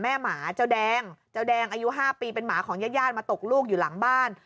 หมาเจ้าแดงเจ้าแดงอายุ๕ปีเป็นหมาของญาติญาติมาตกลูกอยู่หลังบ้าน